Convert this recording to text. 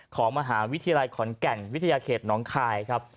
ของมหาวิทยาลัยขอนแก่นวิทยาเขตน้องคายครับ